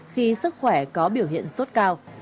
khi sức khỏe có biểu hiện sốt cao